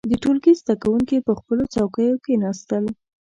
• د ټولګي زده کوونکي پر خپلو څوکيو کښېناستل.